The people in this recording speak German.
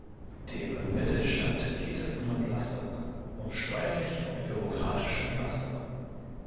Dem Mittelstand geht es um Entlastung, um steuerliche und bürokratische Entlastung.